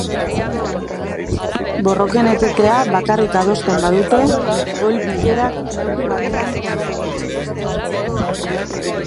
Borroken etetea bakarrik adosten badute, goi-bilerak neurri batean porrot egingo du.